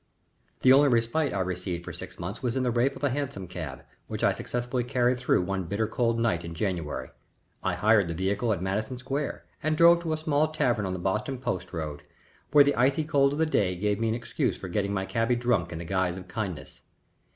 The only respite I received for six months was in the rape of the hansom cab, which I successfully carried through one bitter cold night in January. I hired the vehicle at Madison Square and drove to a small tavern on the Boston Post Road, where the icy cold of the day gave me an excuse for getting my cabby drunk in the guise of kindness.